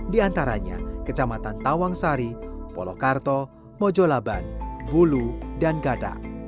di antaranya kecamatan tawangsari polokarto mojolaban bulu dan gada